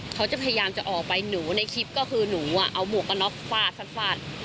เขาจะพยายามจะออกไปหนูในคลิปก็คือหนูเอาหมวกกระน็อกฟาดฟาดฟาด